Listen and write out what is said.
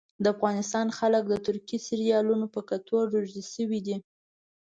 د افغانستان خلک د ترکي سیریالونو په کتلو روږدي سوي دي